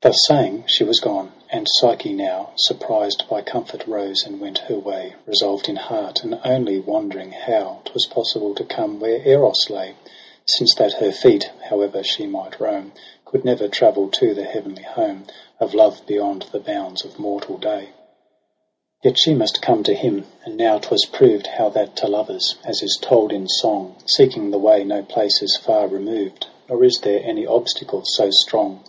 Thus saying she was gone, and Psyche now Surprised by comfort rose and went her way. Resolved in heart, and only wondering how 'Twas possible to come where Eros lay • Since that her feet, however she might roam. Could never travel to the heavenly home Of Love, beyond the bounds of mortal day : i(f8 EROS £5' PSYCHE 30 Yet must she come to him. And now 'twas proved How that to Lovers, as is told in song. Seeking the way no place is far removed ; Nor is there any obstacle so strong.